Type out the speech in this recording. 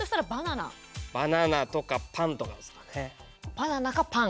バナナかパン。